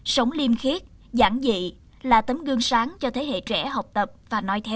sống liêm khiết giảng dị là tấm gương sáng cho thế hệ trẻ học tập và nói theo